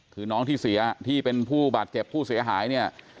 คือน้องที่เสียที่เป็นผู้บาดเจ็บผู้เสียหายเนี่ย